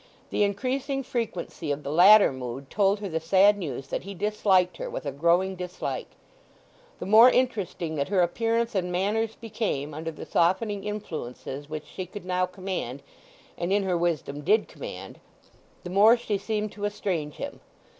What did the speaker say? The increasing frequency of the latter mood told her the sad news that he disliked her with a growing dislike. The more interesting that her appearance and manners became under the softening influences which she could now command, and in her wisdom did command, the more she seemed to estrange him.